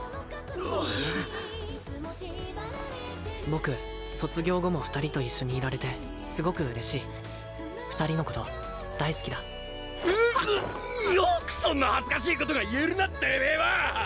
僕卒業後も２人と一緒にいられてすごく嬉しい２人のこと大好きだうっよくそんな恥ずかしいことが言えるなてめえは！